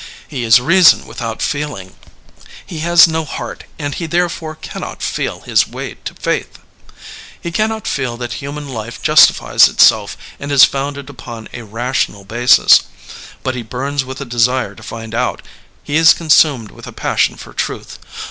He is reason without feeling; he has no heart and he therefore cannot "feel" his way to faith. He cannot feel that human life justi fies itself and is founded upon a rational basis. But 32 LEONID ANDREYEV he bums with a desire to find out; he is consumed with a passion for truth.